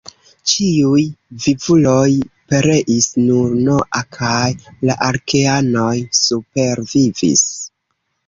Ĉiuj vivuloj pereis, nur Noa kaj la arkeanoj supervivis.